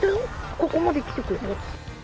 ここまで来てくれた。